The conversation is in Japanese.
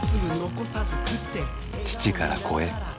父から子へ。